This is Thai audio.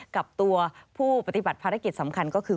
กับตัวผู้ปฏิบัติภารกิจสำคัญก็คือ